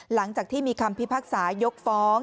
หลังจากที่มีคำพิพากษายกฟ้อง